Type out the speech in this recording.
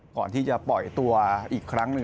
ก่อนที่จะปล่อยตัวอีกครั้งหนึ่ง